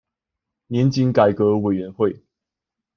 年金改革委員會